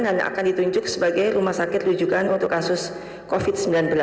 dan akan ditunjuk sebagai rumah sakit rujukan untuk kasus covid sembilan belas